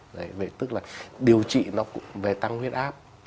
vậy tức là điều trị nó cũng về tăng huyết áp